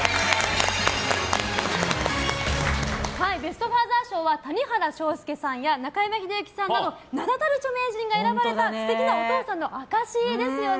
ベスト・ファーザー賞は谷原章介さんや中山秀征さんなど名だたる著名人が選ばれた素敵なお父さんの証しですよね。